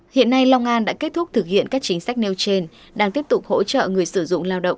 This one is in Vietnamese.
hiện nay long an đã kết thúc thực hiện các chính sách nêu trên đang tiếp tục hỗ trợ người sử dụng lao động